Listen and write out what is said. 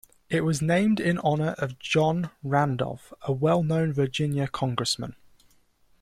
It was named in honor of John Randolph, a well-known Virginia congressman.